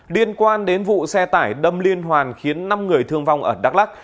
liên quan đến vụ xe tải đâm liên hoàn khiến năm người thương vong ở đắk lắc